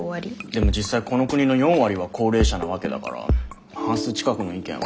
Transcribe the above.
でも実際この国の４割は高齢者なわけだから半数近くの意見は。